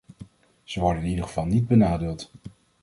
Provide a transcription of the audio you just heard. Ze worden in ieder geval niet benadeeld.